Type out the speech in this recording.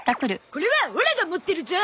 これはオラが持ってるゾ。